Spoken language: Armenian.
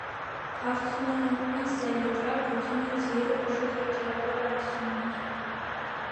Արդյունահանում են սելիտրա, բուծում են ձիեր ու խոշոր եղջերավոր անասուններ։